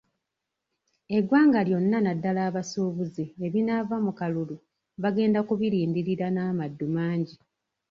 Eggwanga lyonna naddala abasuubuzi ebinaava mu kalulu bagenda kubirindirira n'amaddu mangi.